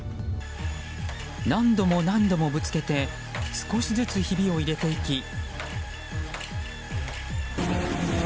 何度も何度もぶつけて少しずつひびを入れていき。